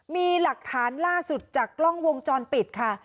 มีหลักฐานล่าสุดจากกล้องวงจรปิดค่ะ